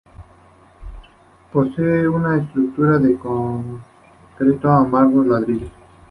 Posee una estructura de concreto armado y ladrillo.